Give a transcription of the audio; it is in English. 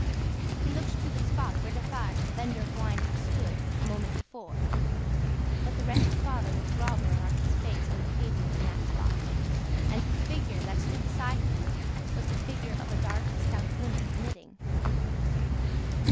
He looked to the spot where Defarge the vendor of wine had stood, a moment before; but the wretched father was grovelling on his face on the pavement in that spot, and the figure that stood beside him was the figure of a dark stout woman, knitting.